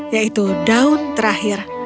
yaitu daun terakhir